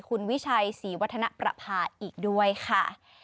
คุณวิชัยศรีวัฒนประภาอีกด้วยค่ะ